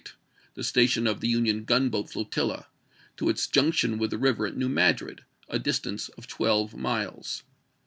8, the station of the Union gunboat flo tilla, to its junction with the river at New Madrid, a distance of twelve miles.